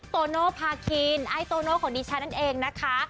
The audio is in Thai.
โตโนภาคินไอ้โตโน่ของดิฉันนั่นเองนะคะ